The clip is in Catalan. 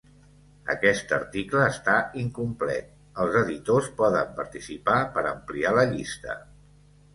Aquest article està incomplet, els editors poden participar per ampliar la llista.